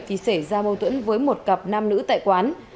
thì xảy ra mâu thuẫn với một cặp nam nữ tại quán